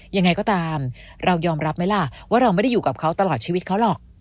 ยังไงก็ตามเรายอมรับไหมล่ะว่าเราไม่ได้อยู่กับเขาตลอดชีวิตเขาหรอก